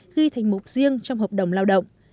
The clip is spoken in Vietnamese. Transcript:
ghi thành mục riêng trong hợp đồng lao động